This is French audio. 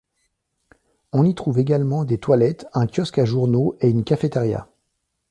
On y trouve également des toilettes, un kiosque à journaux et une cafétéria.